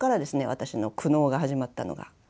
私の苦悩が始まったのが。